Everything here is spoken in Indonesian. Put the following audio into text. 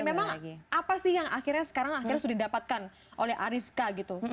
memang apa sih yang akhirnya sekarang akhirnya sudah didapatkan oleh ariska gitu